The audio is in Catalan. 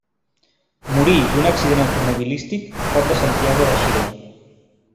Morí d’un accident automobilístic, prop de Santiago de Xile.